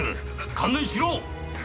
観念しろ！